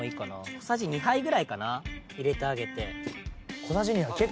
小さじ２杯ぐらいかな入れてあげて。